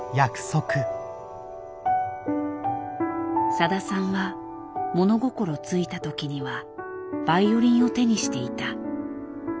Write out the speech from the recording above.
さださんは物心付いたときにはバイオリンを手にしていた。